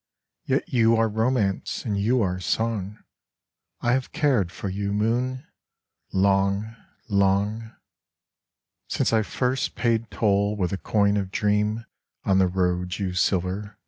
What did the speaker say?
Yet you are romance And you are song. I have cared for you, Moon, Long, long, Since I first paid toll With a coin of dream On the road you silver.